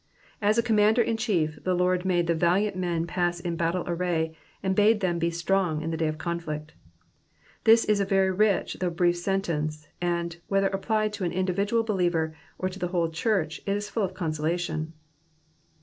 As a commander in chief, the Lord made the valiant men pass in battle array, and bade them be strong in the day of conflict. This is a very rich though brief sentence, and, whether applied to an individual believer, or to the whole church, it is full of conso lation.